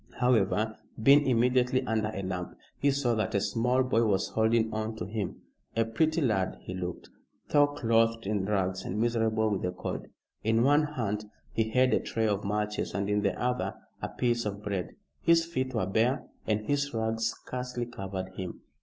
However, being immediately under a lamp, he saw that a small boy was holding on to him. A pretty lad he looked, though clothed in rags and miserable with the cold. In one hand he held a tray of matches and in the other a piece of bread. His feet were bare and his rags scarcely covered him.